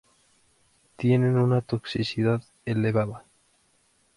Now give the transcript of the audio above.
Tienen una toxicidad elevada.